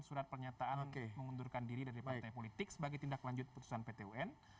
surat pernyataan mengundurkan diri dari partai politik sebagai tindak lanjut putusan pt un